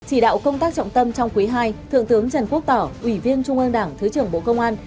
chỉ đạo công tác trọng tâm trong quý ii thượng tướng trần quốc tỏ ủy viên trung ương đảng thứ trưởng bộ công an